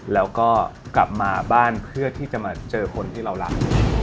แล้วก็กลับมาบ้านเพื่อที่จะมาเจอคนที่เรารัก